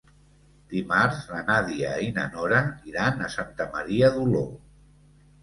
Dimarts na Nàdia i na Nora iran a Santa Maria d'Oló.